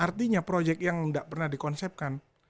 artinya projek yang nggak pernah dikonsepkan